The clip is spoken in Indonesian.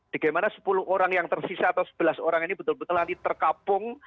bagaimana sepuluh orang yang tersisa atau sebelas orang ini betul betul nanti terkapung